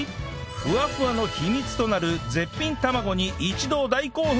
ふわふわの秘密となる絶品卵に一同大興奮！